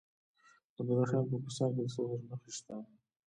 د بدخشان په کوهستان کې د سرو زرو نښې شته.